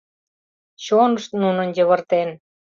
Чонышт нунын йывыртен!